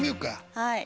はい！